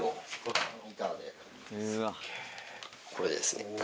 これですね。